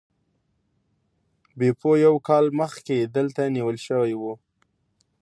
بیپو یو کال مخکې دلته نیول شوی و.